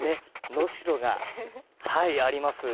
能代があります。